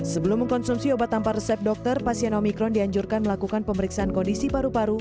sebelum mengkonsumsi obat tanpa resep dokter pasien omikron dianjurkan melakukan pemeriksaan kondisi paru paru